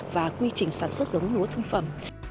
và quy trình sản xuất giống lúa thương phẩm